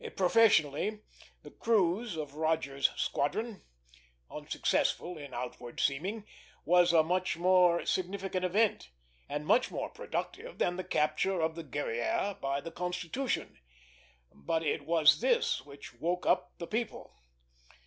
Professionally, the cruise of Rodgers's squadron, unsuccessful in outward seeming, was a much more significant event, and much more productive, than the capture of the Guerrière by the Constitution; but it was this which woke up the people.